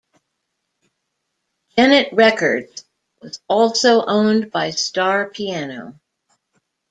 Gennett Records was also owned by Starr Piano.